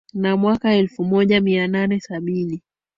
na mwaka elfu moja mia nane sabini